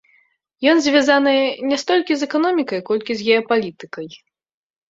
Ён звязаны не столькі з эканомікай, колькі з геапалітыкай.